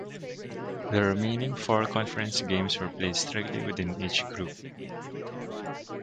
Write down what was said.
The remaining four conference games were played strictly within each group.